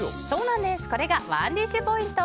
これがＯｎｅＤｉｓｈポイント。